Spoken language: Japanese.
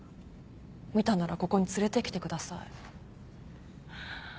見たならここに連れてきてください。